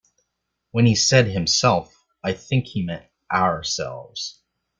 When he said himself I think he meant ourselves.